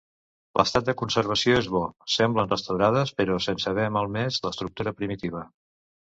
L'estat de conservació és bo, semblen restaurades però sense haver malmès l'estructura primitiva.